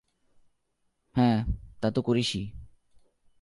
হ্যাঁ, তা তো করিসই।